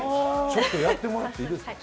ちょっとやってもらっていいですか？